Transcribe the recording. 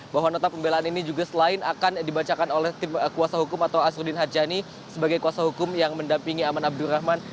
bahwa nota pembelaan ini juga selain akan dibacakan oleh tim kuasa hukum atau asruddin hajani sebagai kuasa hukum yang mendampingi aman abdurrahman